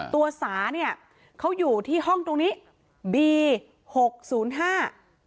สาเนี่ยเขาอยู่ที่ห้องตรงนี้บีหกศูนย์ห้า